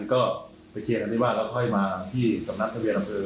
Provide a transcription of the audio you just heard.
ก็ไปเชียร์กันที่บ้านแล้วค่อยมาที่กำนัดทะเวียรัมเทอร์